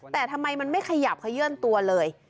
แต่ทำไมมันไม่ขยับขยื่นตัวเลย